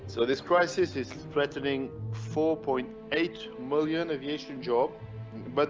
jadi krisis ini menyerang empat delapan miliar pekerjaan aviasi